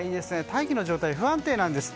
大気の状態が不安定なんです。